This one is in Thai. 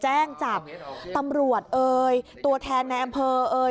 แจ้งจับตำรวจเอ่ยตัวแทนในอำเภอเอ่ย